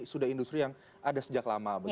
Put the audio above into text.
sudah industri yang ada sejak lama